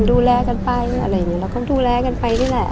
ดูแลกันไปก็ดูแลกันไปนี่แหละ